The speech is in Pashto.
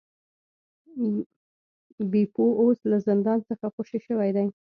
بیپو اوس له زندان څخه خوشې شوی دی.